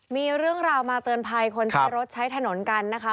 มีเรื่องราวมาเตือนภัยคนใช้รถใช้ถนนกันนะคะ